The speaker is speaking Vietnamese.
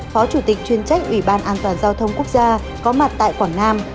phó chủ tịch chuyên trách ủy ban an toàn giao thông quốc gia có mặt tại quảng nam